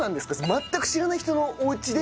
全く知らない人のお家で。